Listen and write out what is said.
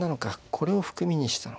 これを含みにしてたのか。